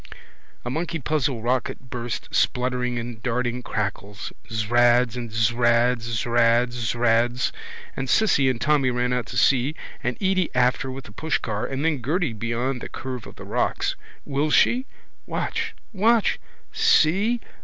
A monkey puzzle rocket burst, spluttering in darting crackles. Zrads and zrads, zrads, zrads. And Cissy and Tommy and Jacky ran out to see and Edy after with the pushcar and then Gerty beyond the curve of the rocks. Will she? Watch! Watch! See!